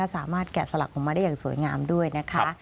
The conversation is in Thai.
แกะสลักออกมาได้อย่างสวยงามด้วยนะคะ